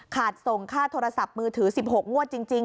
ส่งค่าโทรศัพท์มือถือ๑๖งวดจริง